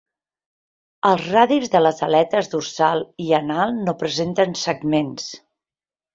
Els radis de les aletes dorsal i anal no presenten segments.